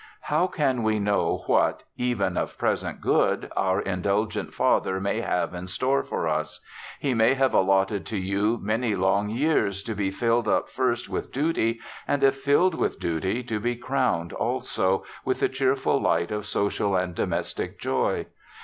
How can we know what, even of present good, our indulgent Father may have in store for us ? He may have allotted to you many long years, to be filled up first with duty, and, if filled with duty, to be crowned, also, with the cheerful light of social and domestic joy.